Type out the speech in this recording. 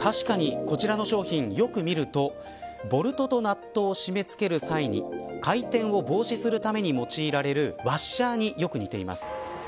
確かにこちらの商品よく見るとボルトとナットを締め付ける際に回転を防止するために用いられるワッシャーによく似ています。